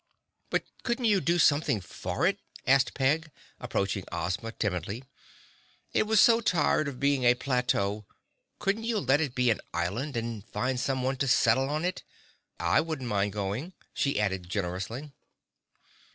"But couldn't you do something for it?" asked Peg, approaching Ozma timidly. "It's so tired of being a plateau. Couldn't you let it be an island, and find someone to settle on it? I wouldn't mind going," she added generously.